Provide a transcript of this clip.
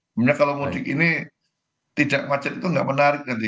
sebenarnya kalau modik ini tidak wajar itu enggak menarik nanti